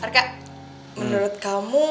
harika menurut kamu